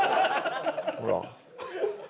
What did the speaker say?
ほら。